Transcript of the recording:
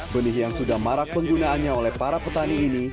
benih yang sudah marak penggunaannya oleh para petani ini